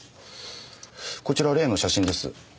こちらは例の写真です。